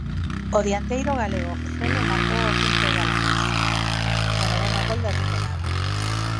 O dianteiro galego Joselu marcou o punto do Alavés, o noveno gol da temporada.